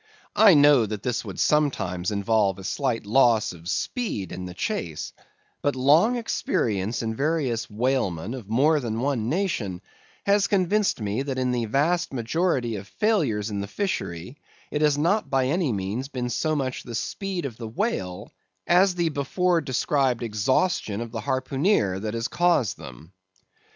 I know that this would sometimes involve a slight loss of speed in the chase; but long experience in various whalemen of more than one nation has convinced me that in the vast majority of failures in the fishery, it has not by any means been so much the speed of the whale as the before described exhaustion of the harpooneer that has caused them.